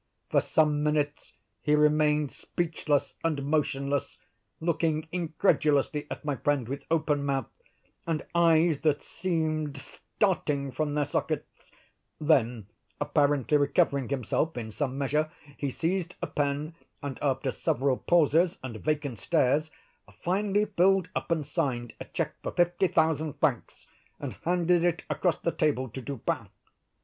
For some minutes he remained speechless and motionless, looking incredulously at my friend with open mouth, and eyes that seemed starting from their sockets; then, apparently recovering himself in some measure, he seized a pen, and after several pauses and vacant stares, finally filled up and signed a check for fifty thousand francs, and handed it across the table to Dupin.